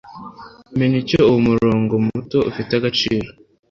menya icyo uwo murongo muto ufite agaciro